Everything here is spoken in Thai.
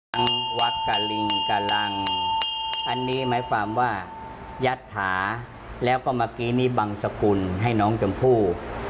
อันนี้หมายความว่ายัทธาแล้วก็เมื่อกี้มีบังสกุลให้น้องชมพู่